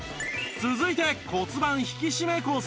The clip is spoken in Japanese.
続いて骨盤引き締めコース